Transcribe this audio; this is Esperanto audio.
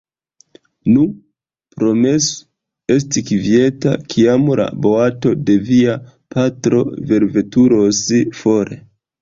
Nu, promesu esti kvieta, kiam la boato de via patro velveturos for.